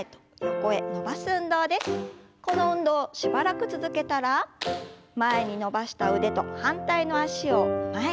この運動しばらく続けたら前に伸ばした腕と反対の脚を前に。